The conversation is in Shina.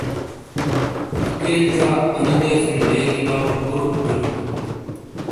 عقیل ڙا انی دیزونی لیگی لاؤ ہروک بیلوں۔